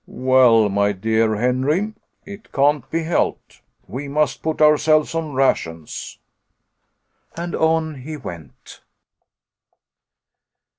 "Well, my dear Henry, it can't be helped. We must put ourselves on rations." And on he went.